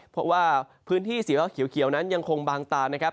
เพราะว่าพื้นที่สีเขียวนั้นยังคงบางตานะครับ